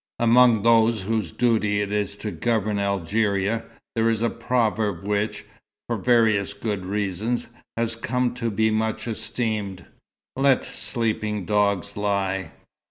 Among those whose duty it is to govern Algeria, there is a proverb which, for various good reasons, has come to be much esteemed: "Let sleeping dogs lie."